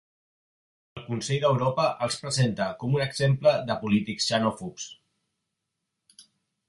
El consell d'Europa els presenta com un exemple de polítics xenòfobs.